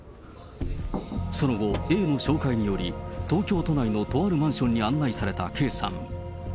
その後、Ａの紹介により、東京都内のとあるマンションに案内されたＫさん。